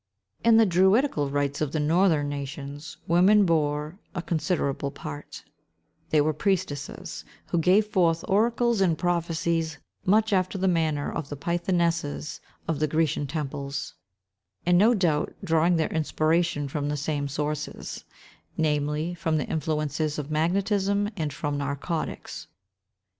In the druidical rites of the northern nations, women bore a considerable part: there were priestesses, who gave forth oracles and prophecies, much after the manner of the Pythonesses of the Grecian temples, and no doubt drawing their inspiration from the same sources; namely, from the influences of magnetism, and from narcotics.